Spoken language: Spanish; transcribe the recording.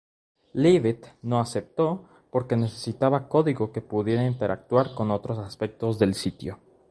Leavitt no aceptó porque necesitaba código que pudiera interactuar con otros aspectos del sitio.